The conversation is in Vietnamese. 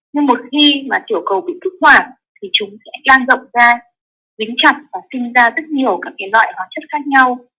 nhưng một khi mà tiểu cầu bị kích hoạt thì chúng sẽ lan rộng ra dính chặt và sinh ra rất nhiều các loại hóa chất khác nhau